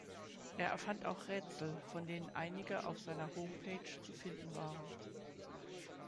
Er erfand auch Rätsel, von denen einige auf seiner Homepage zu finden waren.